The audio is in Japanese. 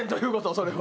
それは。